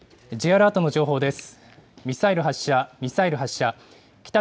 Ｊアラートの情報です。